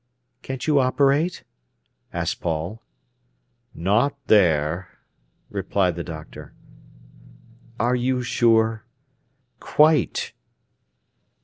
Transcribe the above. "Can't you operate?" asked Paul. "Not there," replied the doctor. "Are you sure?" "_Quite!